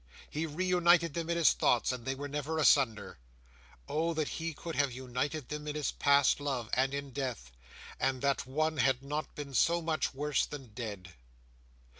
He reunited them in his thoughts, and they were never asunder. Oh, that he could have united them in his past love, and in death, and that one had not been so much worse than dead!